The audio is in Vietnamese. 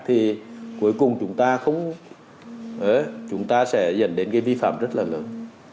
thì cuối cùng chúng ta sẽ dẫn đến vi phạm rất là lớn